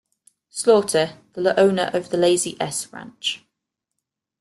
Slaughter, the owner of the Lazy S Ranch.